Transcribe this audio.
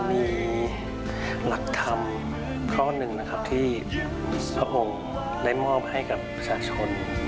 มีหลักธรรมข้อหนึ่งนะครับที่พระองค์ได้มอบให้กับประชาชน